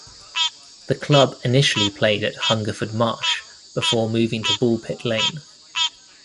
The club initially played at Hungerford Marsh, before moving to Bulpit Lane.